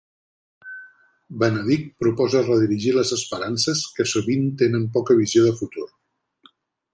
Benedict proposa redirigir les esperances que sovint tenen poca visió de futur.